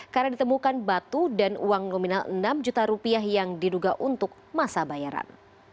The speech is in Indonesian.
karena ditemukan batu dan uang nominal enam juta rupiah yang diduga untuk masa bayaran